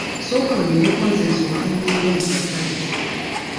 Sooka olindeko nze nsooke ngende mu katale.